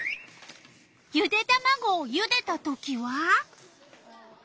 ゆでたまごをゆでたときは？